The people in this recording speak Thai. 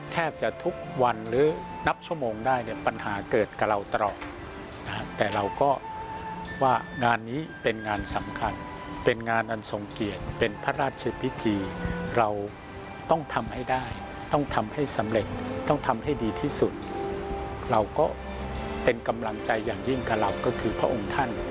ทุกพระองค์ถือว่าเป็นกำลังใจแห่งกลาง